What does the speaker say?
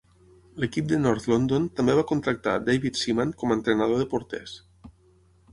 L"equip de North London també va contractar David Seaman com a entrenador de porters.